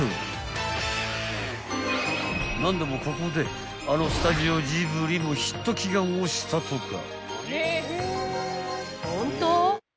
［何でもここであのスタジオジブリもヒット祈願をしたとか］